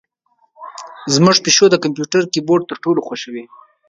زمونږ پیشو د کمپیوتر کیبورډ تر ټولو خوښوي.